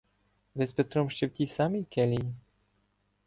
Ви з Петром ще в тій самій келії?